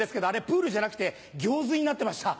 プールじゃなくて行水になってました。